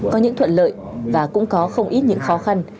có những thuận lợi và cũng có không ít những khó khăn